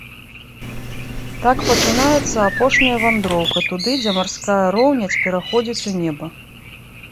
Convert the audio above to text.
Так пачынаецца апошняя вандроўка туды, дзе марская роўнядзь пераходзіць у неба.